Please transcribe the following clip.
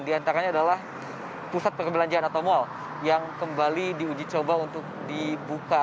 di antaranya adalah pusat perbelanjaan atau mal yang kembali diuji coba untuk dibuka